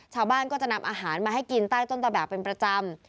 ชาวบ้านก็จะนำอาหารมาให้กินใต้ต้นตะแบบเป็นประจำ